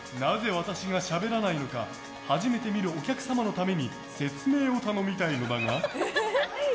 私がしゃべらないのか初めて見るお客様のために説明を頼みたいのだが？